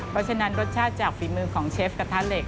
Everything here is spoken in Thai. เพราะฉะนั้นรสชาติจากฝีมือของเชฟกระทะเหล็ก